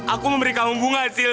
aku memberi kamu bunga sil